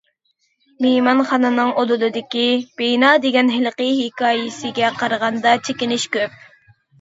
مېھمانخانىنىڭ ئۇدۇلىدىكى بىنا دېگەن ھېلىقى ھېكايىسىگە قارىغاندا چېكىنىش كۆپ.